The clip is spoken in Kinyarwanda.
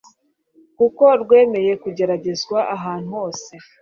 kuko rwemeye kugeragezwa ahantu hose